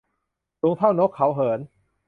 สูงเท่านกเขาเหิน